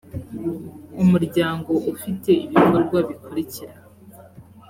umuryango ufite ibikorwa bikurikira